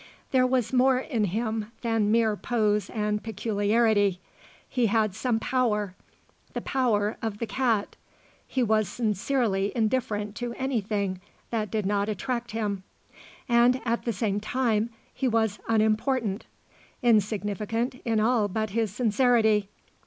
There was more in him than mere pose and peculiarity; he had some power; the power of the cat: he was sincerely indifferent to anything that did not attract him. And at the same time he was unimportant; insignificant in all but his sincerity.